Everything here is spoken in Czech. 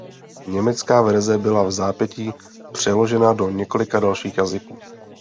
Německá verze byla vzápětí přeložena do několika dalších jazyků.